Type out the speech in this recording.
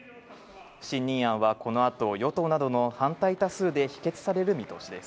不信任案はこのあと与党などの反対多数で否決される見通しです。